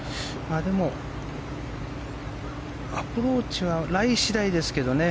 でも、アプローチはライ次第ですけどね。